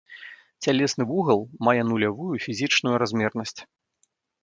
Цялесны вугал мае нулявую фізічную размернасць.